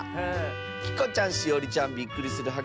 きこちゃんしおりちゃんびっくりするはっ